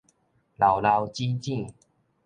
老老茈茈